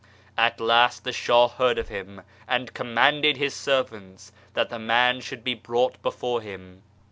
At last the Shah heard of him, and commanded his servants that the man should be brought before him.